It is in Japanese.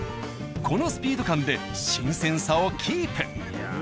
このスピード感で新鮮さをキープ。